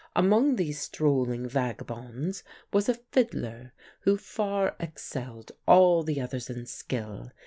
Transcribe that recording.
"Among these strolling vagabonds was a fiddler who far excelled all the others in skill.